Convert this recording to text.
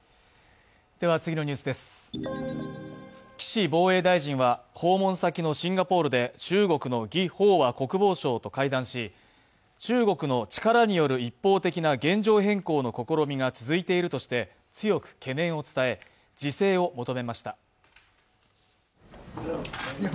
岸防衛大臣は訪問先のシンガポールで、中国の魏鳳和国防相と会談し中国の力による一方的な現状変更の試みが続いているとして強く懸念を伝え、自制を求めました。